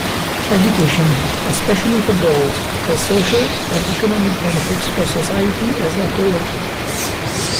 Education, especially for girls, has social and economic benefits for society as a whole.